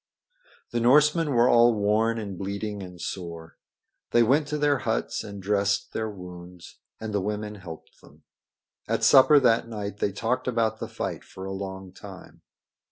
The Norsemen were all worn and bleeding and sore. They went to their huts and dressed their wounds, and the women helped them. At supper that night they talked about the fight for a long time.